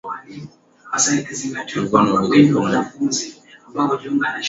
Kulikuwa na ongezeko la bei ya mafuta katika vituo vya kuuzia katika